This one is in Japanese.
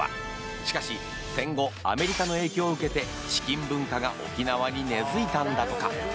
しかし戦後アメリカの影響を受けてチキン文化が沖縄に根付いたんだとか。